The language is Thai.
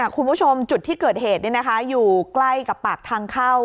คุณผู้ชมจุดที่เกิดเหตุอยู่ใกล้กับปากทางเข้า